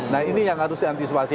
nah ini yang harus diantisipasi